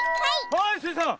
はいスイさん。